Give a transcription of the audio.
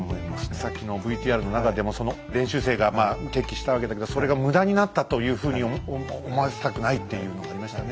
さっきのＶＴＲの中でもその練習生が決起したわけだけどそれが無駄になったというふうに思わせたくないっていうのがありましたね。